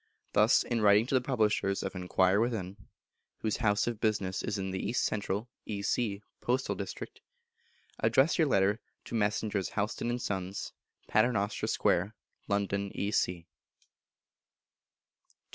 Thus in writing to the publishers of "Enquire Within," whose house of business is in the East Central (E.C.) postal district, address your letter to Messrs. Houlston and Sons, Paternoster Square, London, E.C. 227.